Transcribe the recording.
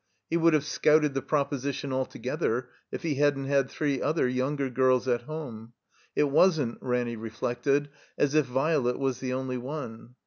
He would have scouted the proposition altogether if he hadn't had three other younger girls at home. It wasn't, Ranny reflected, as if Violet was the only one.